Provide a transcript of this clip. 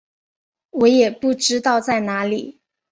我也不知道在哪里